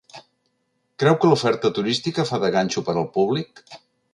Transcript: Creu que l’oferta turística fa de ganxo per al públic?